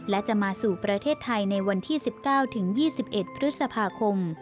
และจะมาสู่ประเทศไทยในวันที่๑๙๒๑พฤษภาคม